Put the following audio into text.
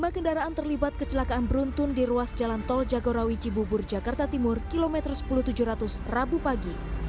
lima kendaraan terlibat kecelakaan beruntun di ruas jalan tol jagorawi cibubur jakarta timur kilometer sepuluh tujuh ratus rabu pagi